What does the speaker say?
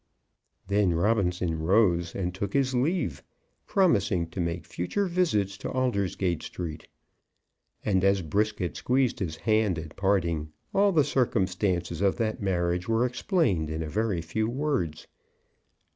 Then Robinson rose and took his leave, promising to make future visits to Aldersgate Street. And as Brisket squeezed his hand at parting, all the circumstances of that marriage were explained in a very few words.